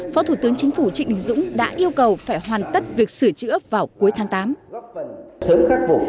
phó thủ tướng chính phủ trịnh đình dũng đã yêu cầu phải hoàn tất việc sửa chữa vào cuối tháng tám